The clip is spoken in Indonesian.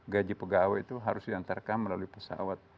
gaji pegawai itu harus diantarkan melalui pesawat